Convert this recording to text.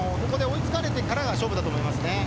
ここで追い付かれてからが勝負だと思いますね。